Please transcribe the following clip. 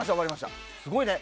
すごいね。